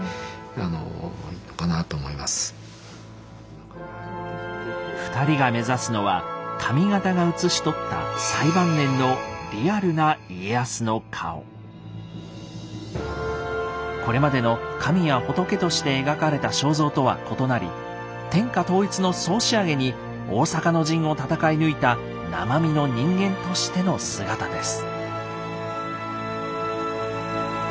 何かこう２人が目指すのは紙形が写し取った最晩年のこれまでの神や仏として描かれた肖像とは異なり天下統一の総仕上げに大坂の陣を戦い抜いた生身の人間としての姿です。